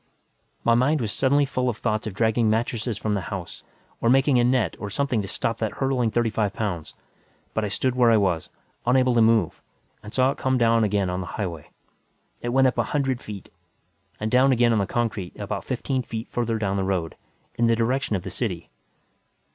My mind was suddenly full of thoughts of dragging mattresses from the house, or making a net or something to stop that hurtling thirty five pounds; but I stood where I was, unable to move, and saw it come down again on the highway. It went up a hundred feet. And down again on the concrete, about fifteen feet further down the road. In the direction of the city.